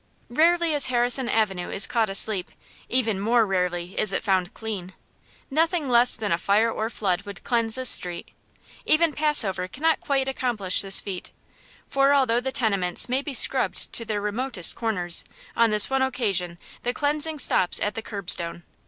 Rarely as Harrison Avenue is caught asleep, even more rarely is it found clean. Nothing less than a fire or flood would cleanse this street. Even Passover cannot quite accomplish this feat. For although the tenements may be scrubbed to their remotest corners, on this one occasion, the cleansing stops at the curbstone.